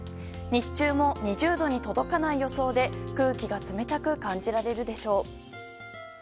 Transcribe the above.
日中も２０度に届かない予想で空気が冷たく感じられるでしょう。